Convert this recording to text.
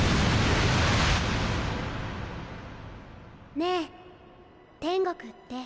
ねえ天国って